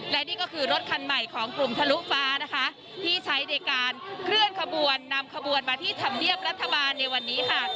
และนี่ก็คือรถคันใหม่ของกลุ่มทะลุฟ้านะคะที่ใช้ในการเคลื่อนขบวนนำขบวนมาที่ธรรมเนียบรัฐบาลในวันนี้ค่ะ